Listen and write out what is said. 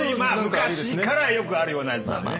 昔からよくあるようなやつなんでね。